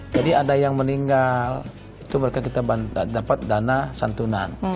jadi ada yang meninggal itu mereka kita dapat dana santunan